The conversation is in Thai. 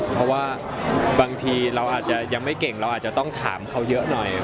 เพราะว่าบางทีเราอาจจะยังไม่เก่งเราอาจจะต้องถามเขาเยอะหน่อย